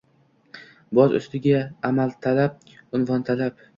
Boz ustiga amaltalab, unvontalab